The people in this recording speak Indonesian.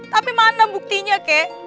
tapi mana buktinya kek